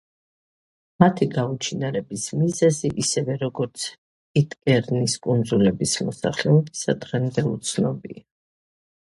მათი გაუჩინარების მიზეზი, ისევე როგორც პიტკერნის კუნძულების მოსახლეობისა, დღემდე უცნობია.